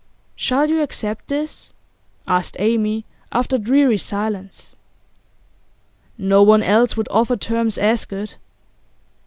'Shall you accept this?' asked Amy, after dreary silence. 'No one else would offer terms as good.